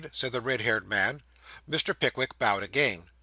said the red haired man. Mr. Pickwick bowed again.